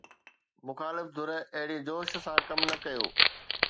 مخالف ڌر اهڙي جوش سان ڪم نه ڪيو